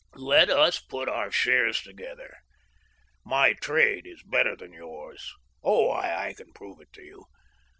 Let us put our shares to gether. My trade is better than yours. Oh, I can prove it to you